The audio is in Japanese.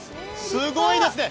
すごいですね。